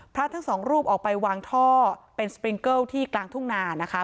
พระทั้งสองรูปออกไปวางท่อเป็นสปริงเกิลที่กลางทุ่งนานะคะ